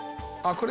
これ？